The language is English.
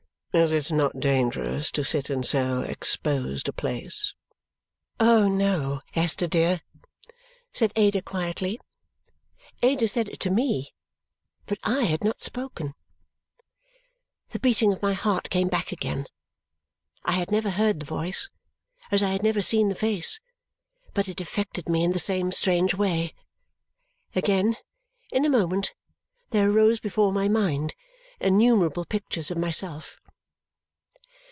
"Is it not dangerous to sit in so exposed a place?" "Oh, no, Esther dear!" said Ada quietly. Ada said it to me, but I had not spoken. The beating of my heart came back again. I had never heard the voice, as I had never seen the face, but it affected me in the same strange way. Again, in a moment, there arose before my mind innumerable pictures of myself.